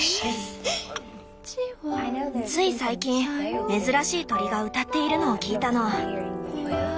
つい最近珍しい鳥が歌っているのを聞いたの。